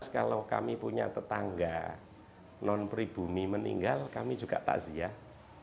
kalau kami punya tetangga non pribumi meninggal kami juga takziah